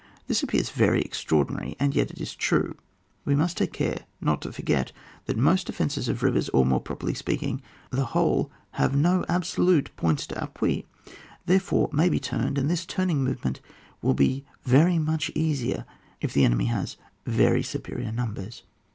This appears very extraordinary, and yet it is true. But we must take care not to for get that most defences of rivers, or, more properly speaking, the whole, have no absolute points cTappui, therefore, may be turned, and this turning movement will be very much easier if the enemy has very superior numbers.